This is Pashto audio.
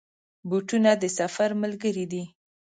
بوټونه د سفر ملګري دي.